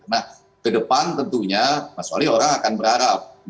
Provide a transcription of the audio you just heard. nah ke depan tentunya mas wali orang akan berharap